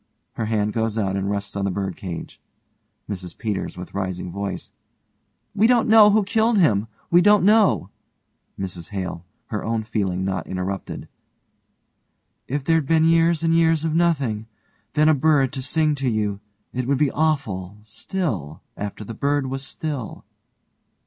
(Her hand goes out and rests on the bird cage.) MRS PETERS: (with rising voice) We don't know who killed him. We don't know. MRS HALE: (her own feeling not interrupted) If there'd been years and years of nothing, then a bird to sing to you, it would be awful still, after the bird was still.